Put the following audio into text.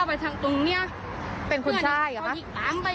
ยิกไปกับโทษตรงนี้ก็ไม่รู้ไปนะยิกไปแม่นท่านไปเดี๋ยว